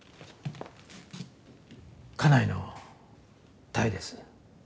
家内の多江です。